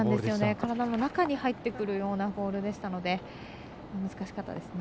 体の中に入ってくるようなボールでしたので難しかったですね。